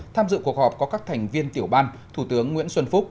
tham dự cuộc họp có các thành viên tiểu ban thủ tướng nguyễn xuân phúc